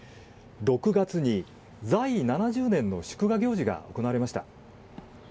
６月に、在位７０年の祝賀行事が行われました。